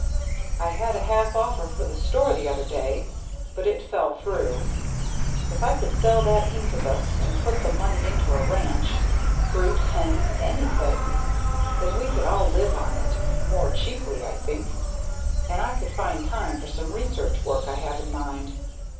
"I had a half offer for the store the other day, but it fell through. If I could sell that incubus and put the money into a ranch fruit, hens, anything then we could all live on it; more cheaply, I think; and I could find time for some research work I have in mind.